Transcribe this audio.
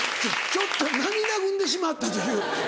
ちょっと涙ぐんでしまったという。